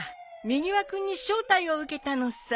みぎわ君に招待を受けたのさ。